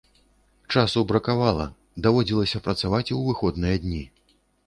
Часу бракавала, даводзілася працаваць у выходныя дні.